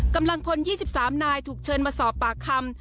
กำลังพล๒๓นายถูกเชิญมาสอบปากคำ